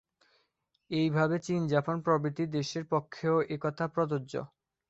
এইভাবে চীন জাপান প্রভৃতি দেশের পক্ষেও এ-কথা প্রযোজ্য।